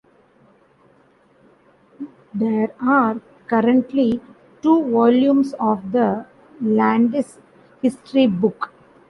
There are currently two volumes of the Landis History Book.